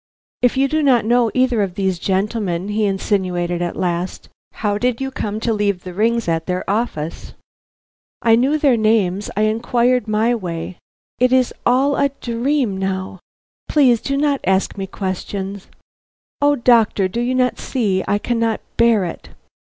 "If you do not know either of these gentlemen," he insinuated at last, "how did you come to leave the rings at their office?" "I knew their names I inquired my way It is all a dream now. Please, please do not ask me questions. O doctor! do you not see I cannot bear it?"